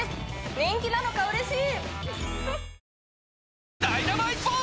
人気なのか嬉しい！